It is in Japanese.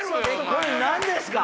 これ何ですか？